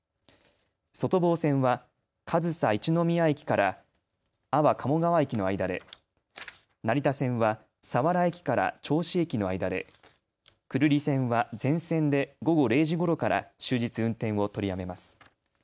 外房線は上総一ノ宮駅から安房鴨川駅の間で、成田線は佐原駅から銚子駅の間で、久留里線は全線で午後０時ごろから終日運転を取りやめます。